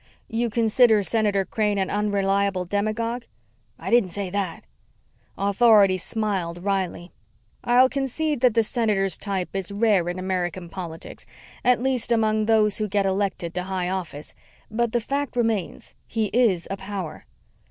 "You consider Senator Crane an unreliable demagogue?" "I didn't say that." Authority smiled wryly. "I'll concede that the Senator's type is rare in American politics at least among those who get elected to high office. But the fact remains he is a power."